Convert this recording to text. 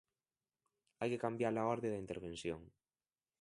Hai que cambiar a orde da intervención.